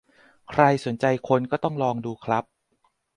ใครสนใจค้นต่อก็ลองดูครับ